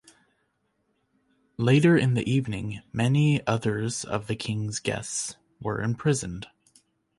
Later in the evening, many others of the king's guests were imprisoned.